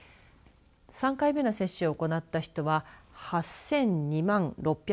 ３回目の接種を行った人は８００２万６４８